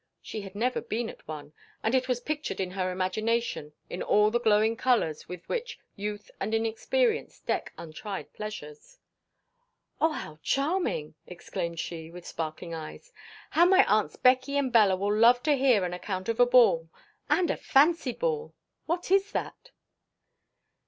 She had never been at one, and it was pictured in her imagination in all the glowing colours with which youth and inexperience deck untried pleasures. "Oh, how charming!" exclaimed she, with sparkling eyes, "how my aunts Becky and Bella will love to hear an account of a ball! And a fancy ball! what is that?"